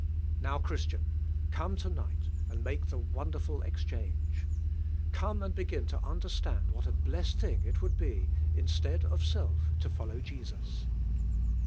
Now Christ ian, come tonight and make the wonderful exchange. Come and begin to understand what a blessed thing it would be instead of self to follow Jesus.